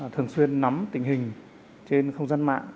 thường xuyên nắm tình hình trên không gian mạng